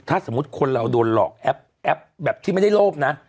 ถ้าสมมุติคนเราโดนหลอกแอปแอปแบบที่ไม่ได้โลภนะ